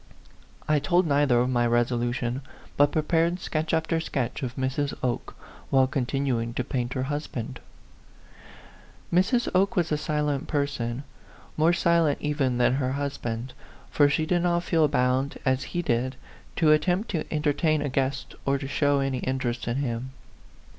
I told neither of my resolution, but prepared sketch after sketch of Mrs. Oke, while continuing to paint her husband. Mrs. Oke was a silent person, more silent even than her husband, for she did not feel bound, as he did, to attempt to entertain a A PHANTOM LOVER. 67 guest or to show any interest in him.